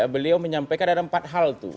beliau menyampaikan ada empat hal tuh